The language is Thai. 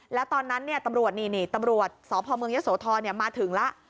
แล้วตอนนั้นตำรวจนี่ตำรวจสพเมืองยะโสธรมาถึงแล้ว